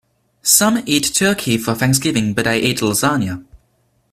Some eat turkey for Thanksgiving, but I ate lasagna.